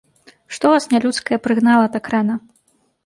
Што вас нялюдскае прыгнала так рана?